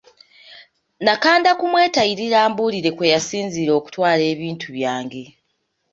Nakanda kumwetayirira ambuulire kwe yasinziira okutwala ebintu byange.